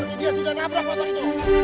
mereka sudah naf teenagers